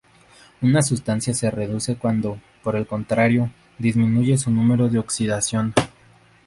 Una sustancia se reduce cuando, por el contrario, disminuye su número de oxidación.